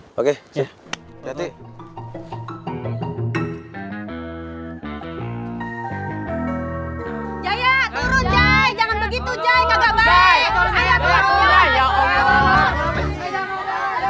hai jaya turun jaya jangan begitu jaya kagak baik